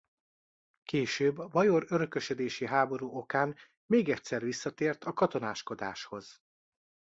Később a bajor örökösödési háború okán még egyszer visszatért a katonáskodáshoz.